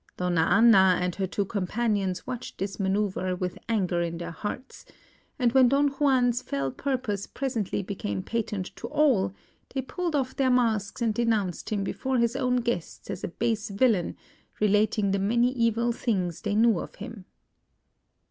Donna Anna and her two companions watched this manœuvre with anger in their hearts; and when Don Juan's fell purpose presently became patent to all, they pulled off their masks and denounced him before his own guests as a base villain, relating the many evil things they knew of him.